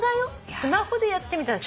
スマホでやってみたら？